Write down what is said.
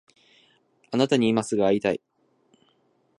あなたに今すぐ会いたい